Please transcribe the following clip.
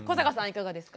いかがですか？